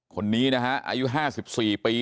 คนนี้นะฮะอายุ๕๔ปี